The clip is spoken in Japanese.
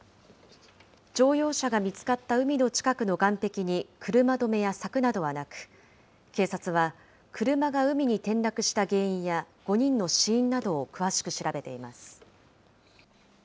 乗用車が見つかった海の近くの岸壁に車止めや柵などはなく、警察は、車が海に転落した原因や、５人の死因などを詳しく調べています。